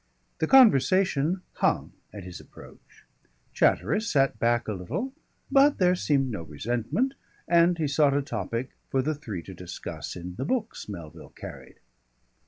The conversation hung at his approach. Chatteris sat back a little, but there seemed no resentment and he sought a topic for the three to discuss in the books Melville carried.